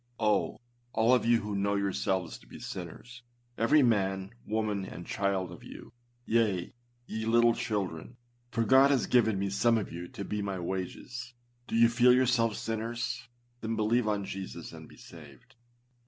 Oh! all of you who know yourselves to be sinners â every man, woman, and child of you â yea, ye litde children (for God has given me some of you to be my wages), do you feel yourselves sinners? then believe on Jesus and be saved.